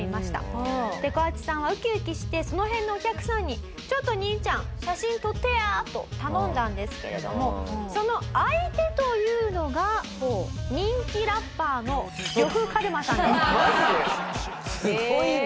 でこ八さんはウキウキしてその辺のお客さんに「ちょっと兄ちゃん写真撮ってや」と頼んだんですけれどもその相手というのが人気ラッパーのすごいな！